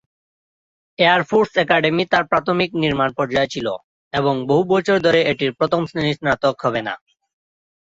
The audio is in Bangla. এয়ার ফোর্স অ্যাকাডেমি তার প্রাথমিক নির্মাণ পর্যায়ে ছিল, এবং বহু বছর ধরে এটির প্রথম শ্রেণীর স্নাতক হবে না।